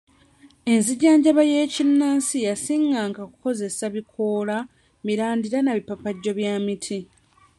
Enzijanjaba y'ekinnansi yasinganga kukozesa bikoola, mirandira n'ebipapajjo by'emiti.